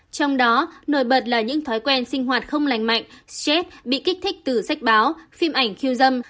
trong đó nổi bật là những thói quen sinh hoạt không lành mạnh stress bị kích thích từ sách báo phim ảnh khiêu dâm